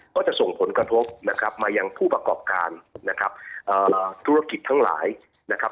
ก็จะส่งผลกระทบนะครับมายังผู้ประกอบการนะครับธุรกิจทั้งหลายนะครับ